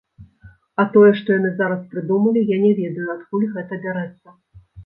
А тое, што яны зараз прыдумалі, я не ведаю, адкуль гэта бярэцца.